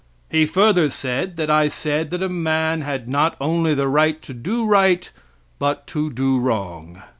He further said that I said that a man had not only the right to do right, but to do wrong.